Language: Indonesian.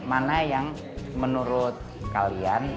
mana yang menurut kalian